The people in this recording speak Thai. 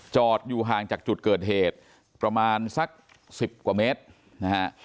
อยู่ห่างจากจุดเกิดเหตุประมาณสัก๑๐กว่าเมตรนะฮะ